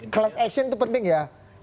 kelas aksion itu penting ya